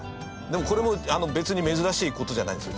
でもこれも別に珍しい事じゃないんですよ。